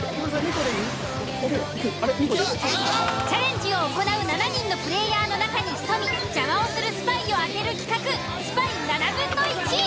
チャレンジを行う７人のプレーヤーの中に潜み邪魔をするスパイを当てる企画スパイ７分の１。